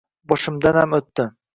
Boshimdanam o‘tdi